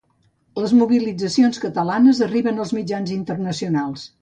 Les mobilitzacions catalanes arriben als mitjans internacionals.